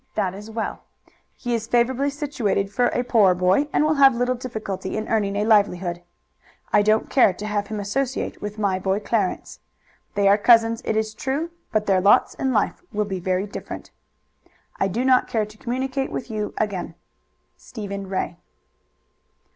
That is well. He is favorably situated for a poor boy, and will have little difficulty in earning a livelihood. I don't care to have him associate with my boy Clarence. They are cousins, it is true, but their lots in life will be very different. I do not care to communicate with you again. Stephen Ray.